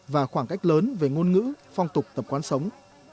và khoảng cách lớn về ngôn ngữ phong tục tập quán sống